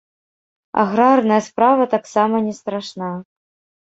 Аграрная справа таксама не страшна.